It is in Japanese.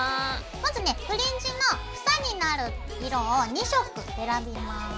まずねフリンジの房になる色を２色選びます。